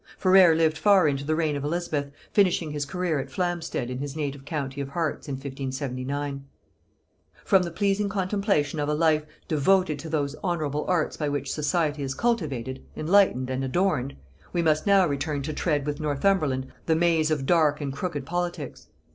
Ferrers lived far into the reign of Elizabeth, finishing his career at Flamstead in his native county of Herts in 1579. From the pleasing contemplation of a life devoted to those honorable arts by which society is cultivated, enlightened and adorned, we must now return to tread with Northumberland the maze of dark and crooked politics.